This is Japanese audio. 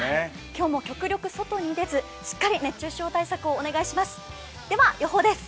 今日も極力外に出ずしっかり熱中症対策お願いします。